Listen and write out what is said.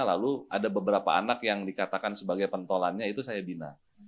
lalu ada beberapa anak yang dikatakan sebagai pentolannya itu saya bina